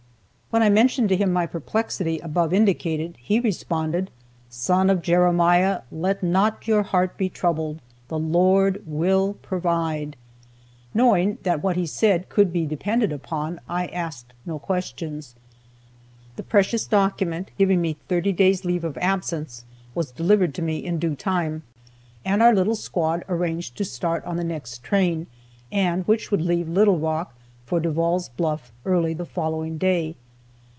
When I mentioned to him my perplexity above indicated, he responded: "Son of Jeremiah, let not your heart be troubled. The Lord will provide." Knowing that what he said could be depended upon, I asked no questions. The precious document giving me thirty days leave of absence was delivered to me in due time, and our little squad arranged to start on the next train, and which would leave Little Rock for Devall's Bluff early the following day.